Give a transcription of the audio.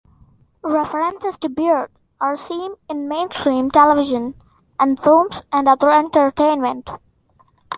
References to beards are seen in mainstream television and films, and other entertainment.